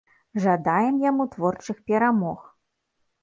Жадаем яму творчых перамог.